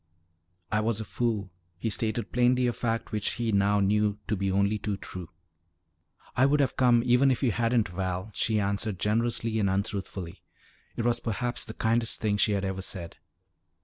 "I was a fool," he stated plainly a fact which he now knew to be only too true. "I would have come even if you hadn't, Val," she answered generously and untruthfully. It was perhaps the kindest thing she had ever said.